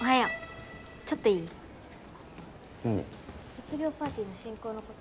卒業パーティーの進行のこと。